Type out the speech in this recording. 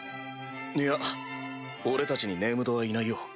いや俺たちにネームドはいないよ。